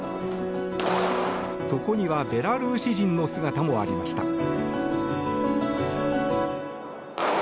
そこにはベラルーシ人の姿もありました。